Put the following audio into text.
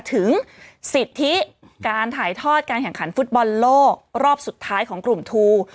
สิทธิการถ่ายทอดการแข่งขันฟุตบอลโลกรอบสุดท้ายของกลุ่มทู